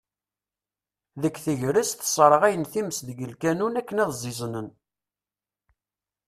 Deg tegrest, ssaɣayen times deg lkanun akken ad ẓẓiẓnen.